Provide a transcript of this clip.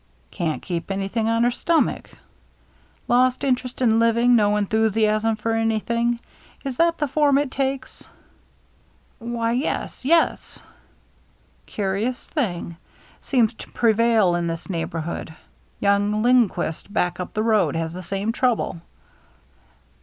"Can't keep anything on her stomach? Lost interest in living — no enthusiasm for anything ? Is that the form it takes ?" "Why, yes — yes —"" Curious thing. Seems to prevail in this neighborhood. Young Lindquist, back up the road, has the same trouble."